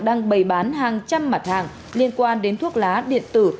đang bày bán hàng trăm mặt hàng liên quan đến thuốc lá điện tử